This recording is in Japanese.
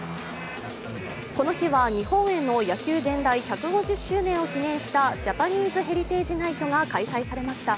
この日は日本への野球伝来１５０周年を記念したジャパニーズ・ヘリテージ・ナイトが開催されました。